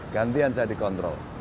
gantian saya dikontrol